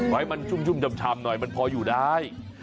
ให้มันชุ่มชำหน่อยมันพออยู่ได้